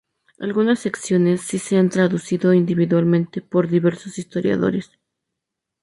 Algunas secciones si se han traducido individualmente por diversos historiadores.